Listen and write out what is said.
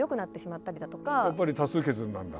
やっぱり多数決になるんだ。